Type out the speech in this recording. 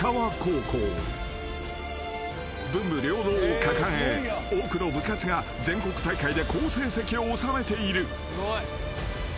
［文武両道を掲げ多くの部活が全国大会で好成績を収めている］